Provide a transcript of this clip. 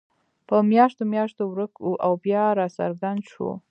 په میاشتو میاشتو ورک وو او بیا راڅرګند شو.